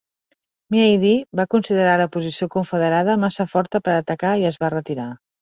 Meade va considerar la posició confederada massa forta per atacar i es va retirar.